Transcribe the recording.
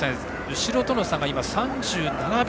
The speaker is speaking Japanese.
後ろとの差は今、３７秒。